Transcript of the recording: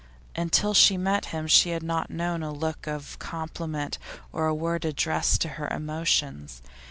Until she met him she had not known a look of compliment or a word addressed to her emotions.